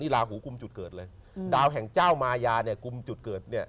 นี่ลาหูกุมจุดเกิดเลยดาวแห่งเจ้ามายากุมจุดเกิด